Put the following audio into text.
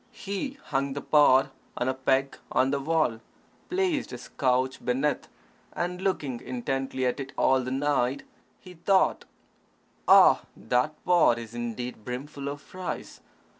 He hung the pot on a peg on the wall, placed his couch beneath, and looking intently at it all the night, he thought, "Ah, that pot is indeed brimful of rice.